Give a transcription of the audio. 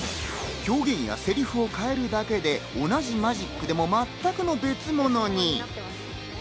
表現やせりふを変えるだけで、同じマジックでも全くの別物に！